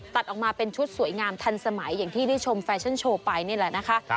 ตัดออกมาเป็นชุดสวยงามทันสมัยอย่างที่ได้ชมแฟชั่นโชว์ไปนี่แหละนะคะ